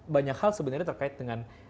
banyak hal sebenarnya terkait dengan